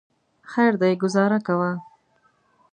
خیر دی ګوزاره کوه.